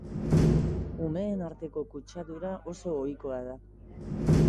Umeen arteko kutsadura oso ohikoa da.